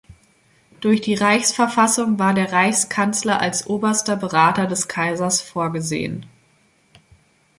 Durch die Reichsverfassung war der Reichskanzler als oberster Berater des Kaisers vorgesehen.